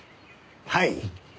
はい。